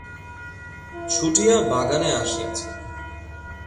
ছুটিয়া বাগানে আসিয়াছে।